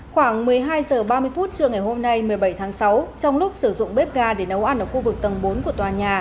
khoảng một mươi hai h ba mươi phút trưa ngày hôm nay một mươi bảy tháng sáu trong lúc sử dụng bếp ga để nấu ăn ở khu vực tầng bốn của tòa nhà